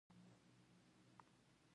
هغې د محبوب سرود په اړه خوږه موسکا هم وکړه.